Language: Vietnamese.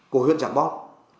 của huyện trạng bom